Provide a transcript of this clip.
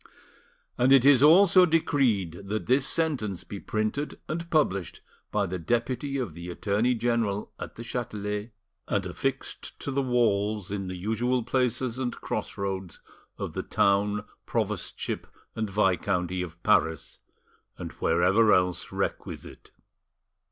And it is also decreed that this sentence be printed and published by the deputy of the Attorney General at the Chatelet, and affixed to the walls in the usual places and cross roads of the town, provostship and viscounty of Paris, and wherever else requisite.